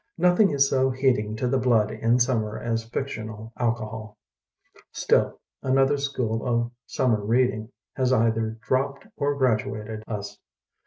Nothing is so heating to the blood in summer as fic tional alcohol. Still another school of summer read ing has either dropped or graduated us.